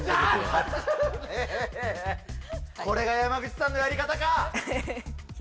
これが山口さんのやり方か。